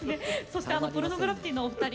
そしてポルノグラフィティのお二人